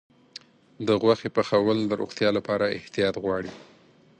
د غوښې پخول د روغتیا لپاره احتیاط غواړي.